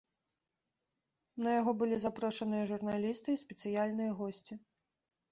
На яго былі запрошаныя журналісты і спецыяльныя госці.